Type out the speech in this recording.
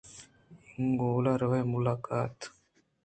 اِینگو روئے قلات